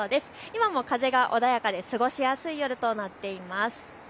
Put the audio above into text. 今も風が穏やかで過ごしやすい夜となっています。